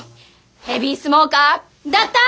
ヘビースモーカー！だった！